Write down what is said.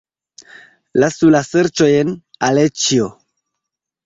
Lasu la ŝercojn, Aleĉjo!